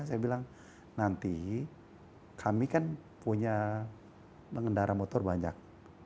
saya bilang nanti kami kan punya pengendara motor banyak